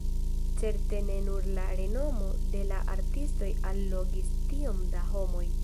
Certe ne nur la renomo de la artisto allogis tiom da homoj.